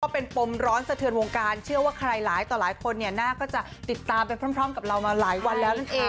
เป็นปมร้อนสะเทือนวงการเชื่อว่าใครหลายต่อหลายคนน่าจะติดตามไปพร้อมกับเรามาหลายวันแล้วนั่นเอง